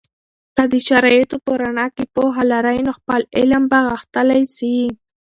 که د شرایطو په رڼا کې پوهه لرئ، نو خپل علم به غښتلی سي.